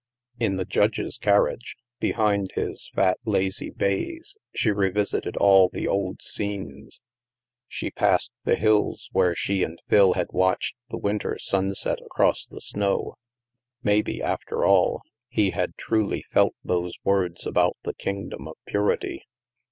In the Judge's carriage, behind his fat lazy bays, she revisited all the old scenes. She passed the hills where she and Phil had watched the winter sun set across the snow. Maybe, after all, he had truly felt those words about the Kingdom of Purity.